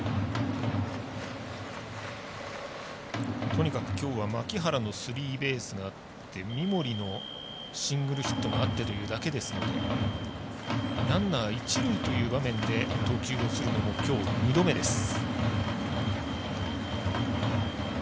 とにかくきょうは牧原のスリーベースがあって三森のシングルヒットがあってというだけですのでランナー、一塁という場面で投球するのもきょう２度目です。